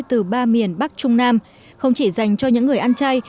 từ ba miền bắc trung nam không chỉ dành cho những người ăn chay